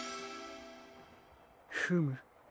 フム。